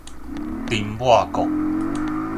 丁抹國